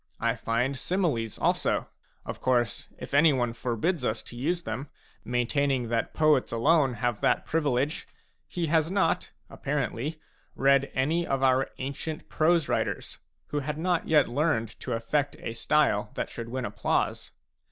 I find similes also ; of course, if anyone forbids us to use them, maintaining that poets alone have that privilege, he has not, apparently, read any of our ancient prose writers, who had not yet learned to afFect a style that should win applause.